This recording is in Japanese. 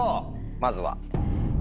まずは？